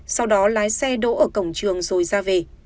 sau đó lái xe đỗ ở cổng trường rồi ra về